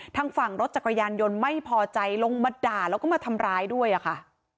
ทางฝั่งรถจักรยานยนต์ไม่พอใจลงมาด่าแล้วก็มาทำร้ายด้วยอะค่ะ